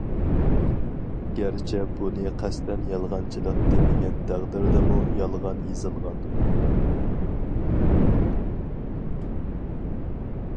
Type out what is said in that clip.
گەرچە بۇنى قەستەن يالغانچىلىق دېمىگەن تەقدىردىمۇ يالغان يېزىلغان.